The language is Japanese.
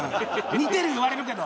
似てる言われるけど。